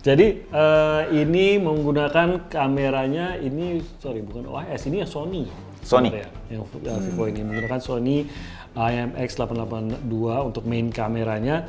jadi ini menggunakan kameranya ini bukan ois ini yang sony yang vivo ini menggunakan sony imx delapan ratus delapan puluh dua untuk main kameranya